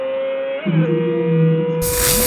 তিনি নিজেকে মেলে ধরেছেন।